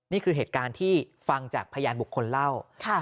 นี่คือเหตุการณ์ที่ฟังจากพยานบุคคลเล่า